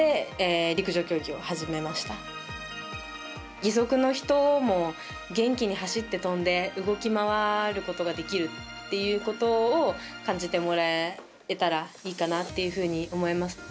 義足の人も元気に走って動き回ることができるっていうことを感じてもらえたらいいかなと思います。